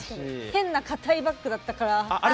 変な硬いバックだったから。